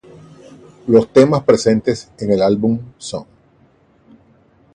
Los temas presentes en el álbum son